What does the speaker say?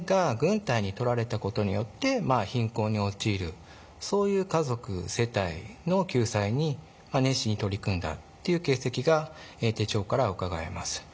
そういうそういう家族世帯の救済に熱心に取り組んだっていう形跡が手帳からはうかがえます。